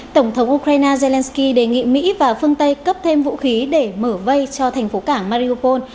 tổng thống ukraine zelensky đề nghị mỹ và phương tây cấp thêm vũ khí để mở vây cho thành phố cảng madriopol